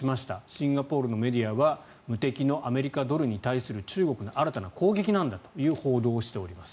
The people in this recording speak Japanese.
シンガポールのメディアは無敵のアメリカドルに対する中国の新たな攻撃なんだという報道をしております。